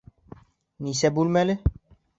Нисә бүлмәле?